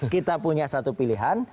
kita punya satu pilihan